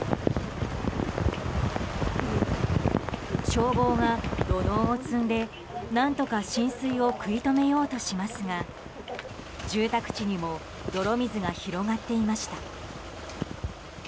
消防が土のうを積んで、何とか浸水を食い止めようとしますが住宅地にも泥水が広がっていました。